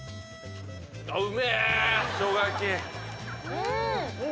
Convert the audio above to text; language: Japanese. うん。